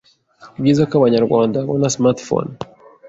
Nibyiza ko abanyarwanda babona smartphone